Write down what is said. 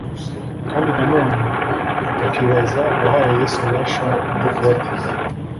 kandi na none bakibaza uwahaye Yesu ububasha bwo kubatiza.